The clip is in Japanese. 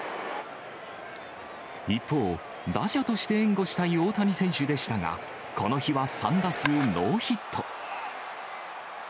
一方、打者として援護したい大谷選手でしたが、この日は３打数ノーヒット。